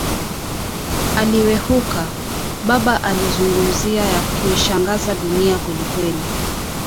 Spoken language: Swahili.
aliwehuka! Baba alizungumzia ya kuishangaza dunia kweli kweli